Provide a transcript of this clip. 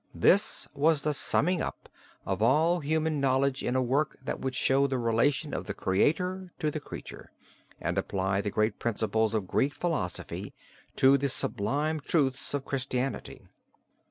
This was the summing up of all human knowledge in a work that would show the relation of the Creator to the creature, and apply the great principles of Greek philosophy to the sublime truths of Christianity.